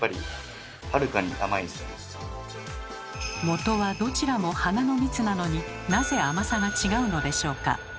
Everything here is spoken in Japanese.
もとはどちらも花の蜜なのになぜ甘さが違うのでしょうか？